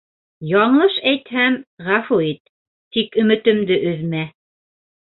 Яңылыш әйтһәм, ғәфү ит, тик өмөтөмдө өҙмә.